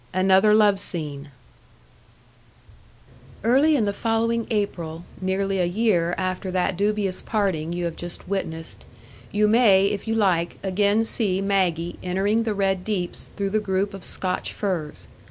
Another Love Scene Early in the following April, nearly a year after that dubious parting you have just witnessed, you may, if you like, again see Maggie entering the Red Deeps through the group of Scotch firs.